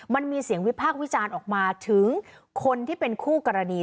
มันมีเสียงวิพากษ์วิจารณ์ออกมาถึงคนที่เป็นคู่กรณี